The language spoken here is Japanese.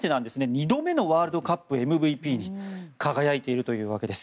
２度目のワールドカップＭＶＰに輝いているというわけです。